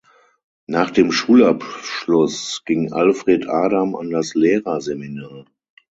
Nach dem Schulabschluss ging Alfred Adam an das Lehrerseminar.